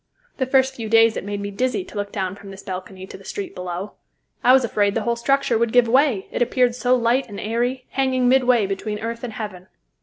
The first few days it made me dizzy to look down from this balcony to the street below. I was afraid the whole structure would give way, it appeared so light and airy, hanging midway between earth and heaven.